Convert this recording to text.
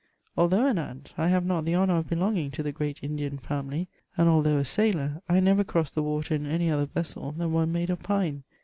Although an ant, I have not the honour of belonging to the great Indian family, and although a sailor, I never crossed the water in any other vessel than one made of pine.